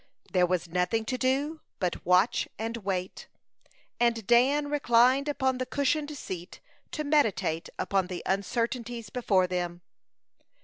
There was nothing to do but watch and wait, and Dan reclined upon the cushioned seat to meditate upon the uncertainties before them.